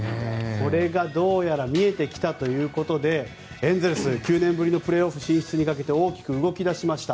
これがどうやら見えてきたということでエンゼルス、９年ぶりのプレーオフ進出にかけて大きく動き出しました。